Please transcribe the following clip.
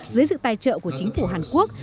dưới sự tài trợ của chính phủ hàn quốc